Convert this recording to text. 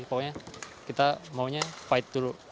pokoknya kita maunya fight dulu